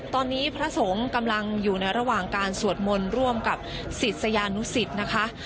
ตอนนี้พระสงฆ์กำลังอยู่ในระหว่างการสวดมนต์ร่วมกับศิษยานุสิตนะคะ